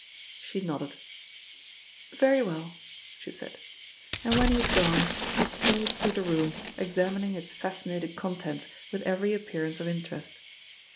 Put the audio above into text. She nodded. "Very well," she said, and when he had gone, she strolled through the room examining its fascinating contents with every appearance of interest.